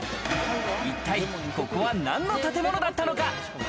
一体ここは何の建物だったのか？